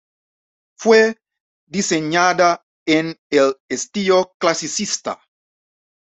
Fue diseñada en el estilo clasicista.